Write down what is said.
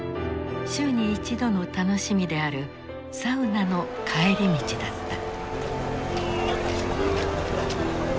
週に一度の楽しみであるサウナの帰り道だった。